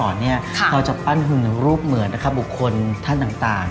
เราจะปั้นหุ่นรูปเหมือนบุคคลท่านต่าง